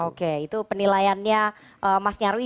oke itu penilaiannya mas nyarwi